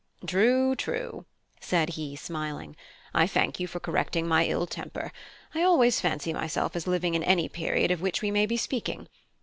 "True, true," said he, smiling. "I thank you for correcting my ill temper: I always fancy myself as living in any period of which we may be speaking.